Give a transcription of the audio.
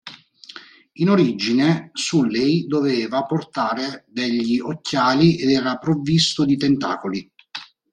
In origine, Sulley doveva portare degli occhiali ed era provvisto di tentacoli.